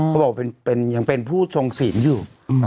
เขาบอกยังเป็นผู้ทรงศีลอยู่